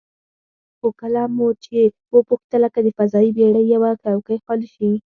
خو کله مو چې وپوښتله که د فضايي بېړۍ یوه څوکۍ خالي شي،